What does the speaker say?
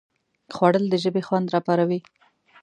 خوړل د ژبې خوند راپاروي